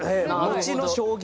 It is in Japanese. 後の将棋。